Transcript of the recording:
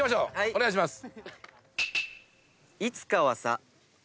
お願いします。